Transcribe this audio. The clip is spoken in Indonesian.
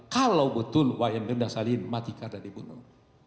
kalau betul wayamirna salihin mati karena dibunuh